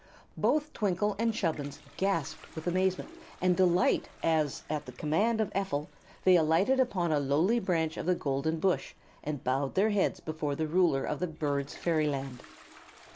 Both Twinkle and Chubbins gasped with amazement and delight as, at the command of Ephel, they alighted upon a lowly branch of the golden bush and bowed their heads before the ruler of the birds' fairyland.